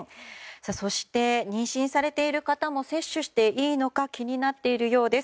そして妊娠されている方も接種していいのか気になっているようです。